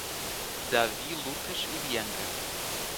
Davi Lucas e Bianca